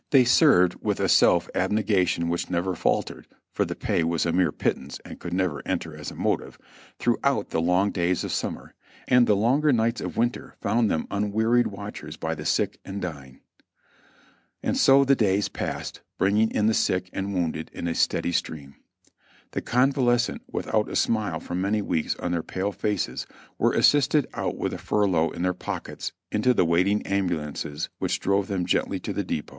They served with a self abnegation which never faltered (for the pay was a mere pit tance and never could enter as a motive) throughout the long days of summer, and the longer nights of winter found them unwearied watchers by the sick and dying. And so the days passed, bringing in the sick and wounded in a steady stream. The convalescent, without a smile for many weeks on their pale faces, were assisted out with a furlough in their pockets, into the waiting ambulances, which drove them gently to the depot.